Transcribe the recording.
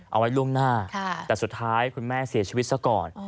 เอาไว้ล่วงหน้าแต่สุดท้ายคุณแม่เสียชีวิตซะก่อน